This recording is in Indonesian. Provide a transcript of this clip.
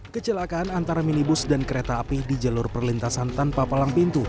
kecelakaan antara minibus dan kereta api di jalur perlintasan tanpa palang pintu